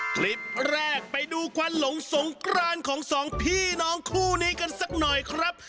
คลิปแรกไปดูควันหลงสงกรานของสองพี่น้องคู่นี้กันสักหน่อยครับ